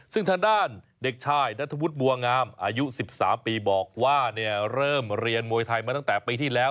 ซึ่งทางด้านเด็กชายนัทวุฒิบัวงามอายุ๑๓ปีบอกว่าเริ่มเรียนมวยไทยมาตั้งแต่ปีที่แล้ว